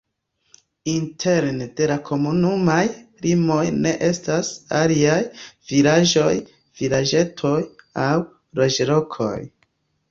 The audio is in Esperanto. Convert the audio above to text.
Interne de la komunumaj limoj ne estas aliaj vilaĝoj, vilaĝetoj aŭ loĝlokoj.